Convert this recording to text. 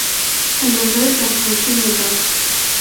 Але гэта зусім не так.